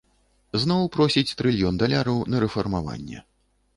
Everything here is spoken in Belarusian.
Зноў просіць трыльён даляраў на рэфармаванне.